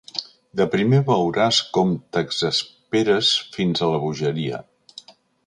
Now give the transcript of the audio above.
De primer veuràs com t'exasperes fins a la bogeria.